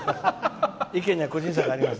「意見には個人差があります」